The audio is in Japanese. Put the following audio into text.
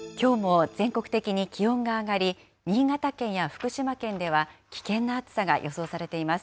きょうも全国的に気温が上がり、新潟県や福島県では危険な暑さが予想されています。